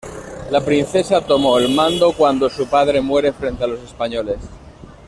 La princesa tomó el mando cuando su padre muere frente a los españoles.